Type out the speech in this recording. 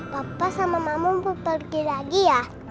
papa sama mamamu mau pergi lagi ya